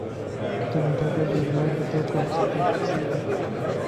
তুমি তো ওদের বিবাহ দিতেও প্রস্তুত ছিলে।